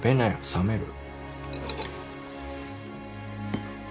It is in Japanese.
冷める。